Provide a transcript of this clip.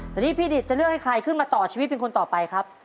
แต่นี่พี่ดิตจะเลือกให้ใครขึ้นมาต่อชีวิตเป็นคนต่อไปครับ